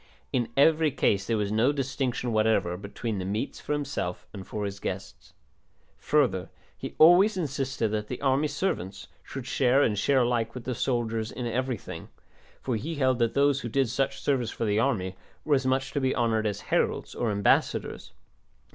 In every case there was no distinction whatever between the meats for himself and for his guests. Further he always insisted that the army servants should share and share alike with the soldiers in everything, for he held that those who did such service for the army were as much to be honoured as heralds or ambassadors.